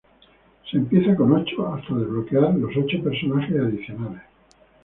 Se empieza con ocho hasta desbloquear los ochos personajes adicionales.